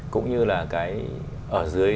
cũng như là cái ở dưới